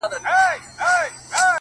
• زلفـي را تاوي کړي پــر خپلـو اوږو،